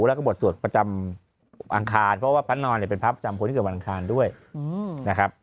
แล้วก็บทสวดประจำอังคารเพราะว่าพระนอนเนี่ยเป็นพระประจำคนที่เกิดวันอังคารด้วยนะครับ